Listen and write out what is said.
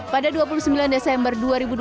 pada dua puluh sembilan desember dua ribu dua puluh